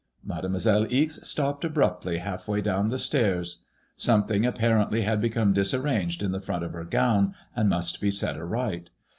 Mademoiselle Ixe stopped abruptly half way down the stairs. Something apparently had become disarranged in the front of her gown and must be set right.